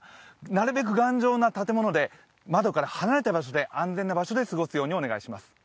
なるべく頑丈な建物で窓から離れた、安全な場所で過ごすようお願いします。